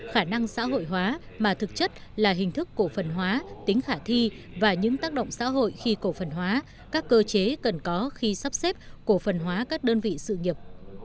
khả năng xã hội hóa mà thực chất là hình thức cổ phần hóa tính khả thi và những tác động xã hội khi cổ phần hóa các cơ chế cần có khi sắp xếp cổ phần hóa các đơn vị sự nghiệp